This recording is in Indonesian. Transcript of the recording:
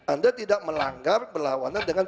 anda tidak melanggar berlawanan dengan